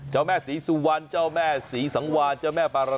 เจ้าแม่ศรีสุวรรณเจ้าแม่ศรีสังวาร